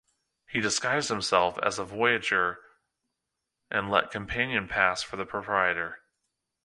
He disguised himself as a voyageur and let Campion pass for the proprietor.